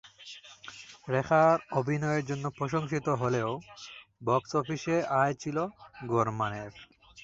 রেখার অভিনয়ের জন্য প্রশংসিত হলেও বক্স অফিসে আয় ছিল গড় মানের।